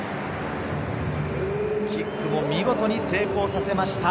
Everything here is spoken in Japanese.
キックも見事に成功させました。